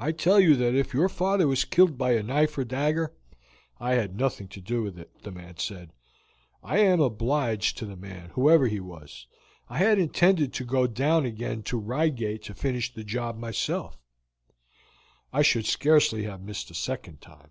"I tell you that if your father was killed by a knife or dagger, I had nothing to do with it," the man said. "I am obliged to the man, whoever he was. I had intended to go down again to Reigate to finish the job myself; I should scarcely have missed a second time.